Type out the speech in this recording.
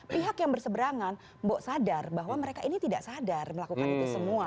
pihak yang berseberangan mbok sadar bahwa mereka ini tidak sadar melakukan itu semua